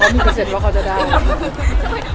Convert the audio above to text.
มีเปอร์เซ็นต์ว่าเขาจะได้